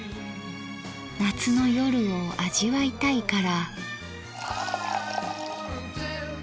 夏の夜を味わいたいから。